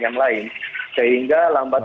yang lain sehingga lambat